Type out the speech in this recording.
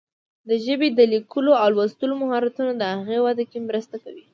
د ژبې د لیکلو او لوستلو مهارتونه د هغې وده کې مرسته کوي.